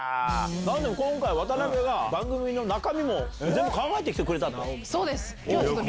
なんでも今回、渡辺が番組の中身も全部考えてきてくれたと。